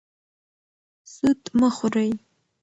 سود مه خورئ.